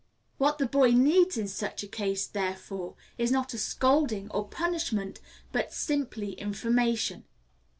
What a boy needs in such a case, therefore, is not a scolding, or punishment, but simply information.